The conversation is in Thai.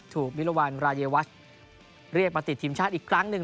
มิรวรรณรายวัชเรียกมาติดทีมชาติอีกครั้งหนึ่ง